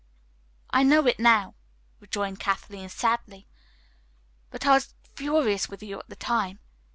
"I know it now," rejoined Kathleen sadly, "but I was furious with you at the time.